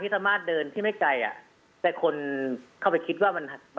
จากตรงนั้นใช่ไหมคะ